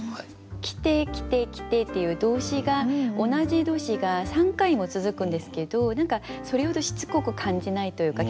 「来て」「来て」「来て」っていう動詞が同じ動詞が３回も続くんですけど何かそれほどしつこく感じないというか。